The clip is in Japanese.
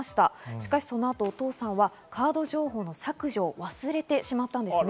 しかし、その後、お父さんはカード情報の削除を忘れてしまったんです。